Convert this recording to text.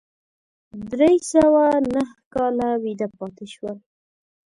درې سوه نهه کاله ویده پاتې شول.